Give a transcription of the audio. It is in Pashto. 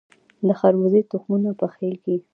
د خربوزې تخمونه پخیږي.